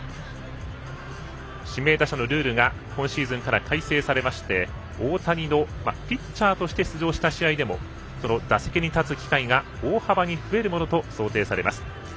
指名打者のルールが今シーズンから改正されまして大谷がピッチャーとして出場した試合でも打席に立つ機会が大幅に増えることと想定されます。